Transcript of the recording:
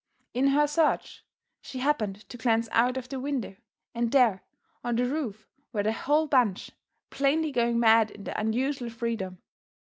In her search, she happened to glance out of the window and there on the roof were the whole bunch, plainly going mad in their unusual freedom.